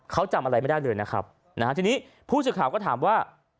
เขาจำอะไรไม่ได้เลยนะครับนะฮะทีนี้ผู้สื่อข่าวก็ถามว่า